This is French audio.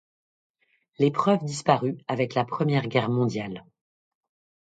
L'épreuve disparut avec la Première Guerre mondiale.